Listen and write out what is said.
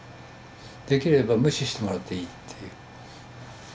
できれば無視してもらっていいっていう。